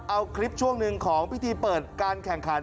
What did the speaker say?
เอาคลิปช่วงหนึ่งของพิธีเปิดการแข่งขัน